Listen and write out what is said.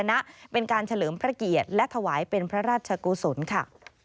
นะเป็นการเฉลิมพระเกียรติและถวายเป็นพระราชกุศลค่ะ